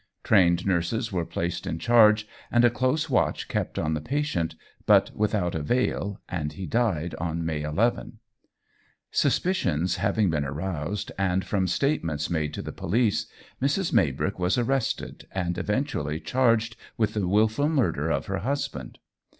Trained nurses were placed in charge, and a close watch kept on the patient, but without avail, and he died on May 11. Suspicions having been aroused, and from statements made to the police, Mrs. Maybrick was arrested, and eventually charged with the wilful murder of her husband.